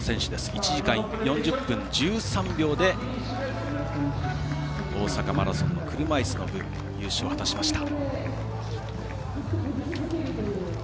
１時間４０分１３秒で大阪マラソンの車いすの部優勝を果たしました。